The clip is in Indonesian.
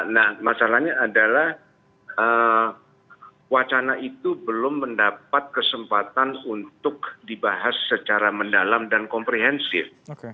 nah masalahnya adalah wacana itu belum mendapat kesempatan untuk dibahas secara mendalam dan komprehensif